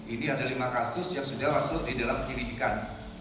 ini ada lima kasus yang sudah masuk di dalam penyelidikan